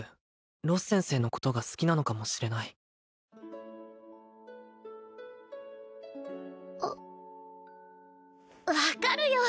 ロス先生のことが好きなのかもしれないあ分かるよ